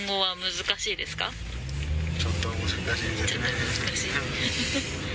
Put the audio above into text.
ちょっと難しいですね。